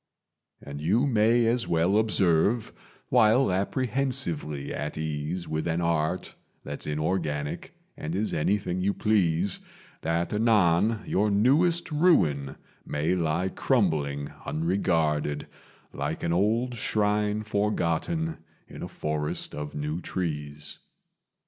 "And you may as well observe, while apprehensively at ease With an Art that's inorganic and is anything you please, That anon your newest ruin may lie crumbling unregarded, Like an old shrine forgotten in a forest of new trees.